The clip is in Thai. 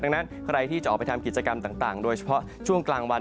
ดังนั้นใครที่จะออกไปทำกิจกรรมต่างโดยเฉพาะช่วงกลางวัน